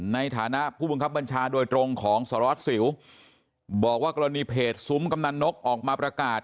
ในฐานะผู้บังคับบัญชาโดยตรงของสารวัสสิวบอกว่ากรณีเพจซุ้มกำนันนกออกมาประกาศ